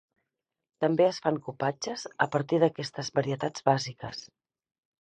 També es fan cupatges a partir d'aquestes varietats bàsiques.